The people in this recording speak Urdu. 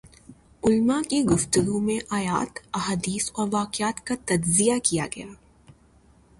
علماء کی گفتگو میں آیات ، احادیث اور واقعات کا تجزیہ کیا گیا